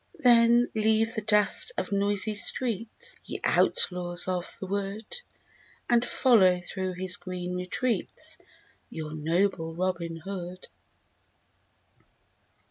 Then leave the dust of noisy streets, Ye outlaws of the wood, And follow through his green retreats Your noble Robin Hood.